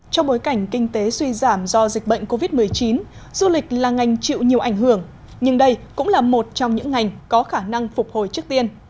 trong bối cảnh kinh tế suy giảm do dịch bệnh covid một mươi chín du lịch là ngành chịu nhiều ảnh hưởng nhưng đây cũng là một trong những ngành có khả năng phục hồi trước tiên